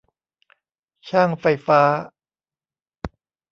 ช่างไฟฟ้า